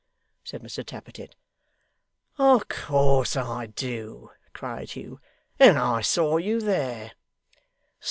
said Mr Tappertit. 'Of course I do!' cried Hugh. 'And I saw you there.